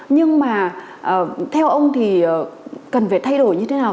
nhưng mà theo ông thì cần phải thay đổi như thế nào